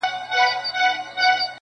شپې مو په ساحل کې د څپو له وهمه وتښتي-